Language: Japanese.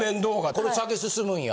これ酒すすむんや？